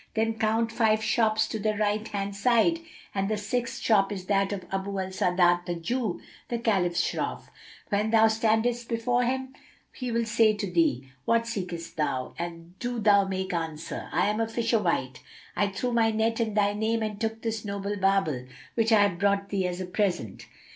Then count five shops on the right hand side and the sixth shop is that of Abu al Sa'adat the Jew, the Caliph's Shroff. When thou standest before him, he will say to thee, 'What seekest thou?'; and do thou make answer, 'I am a fisherwight, I threw my net in thy name and took this noble barbel, which I have brought thee as a present.'